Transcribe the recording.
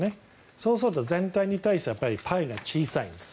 そうすると、全体に対してパイが小さいんです。